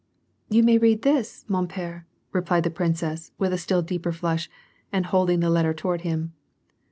" You may read this, mon pere,^* replied the princess, with a still deeper flush, and holding the letter toward him.